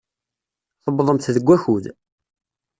Tuwḍemt deg wakud.